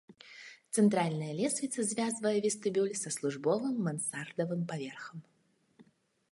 Цэнтральная лесвіца звязвае вестыбюль са службовым мансардавым паверхам.